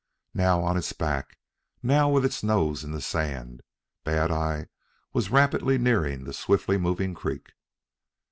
Now on its back, now with its nose in the sand, Bad eye was rapidly nearing the swiftly moving creek.